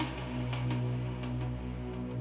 habisin semua makanan kamu